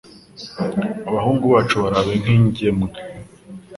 Abahungu bacu barabe nk’ingemwe